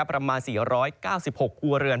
ประมาณ๔๙๖ครัวเรือน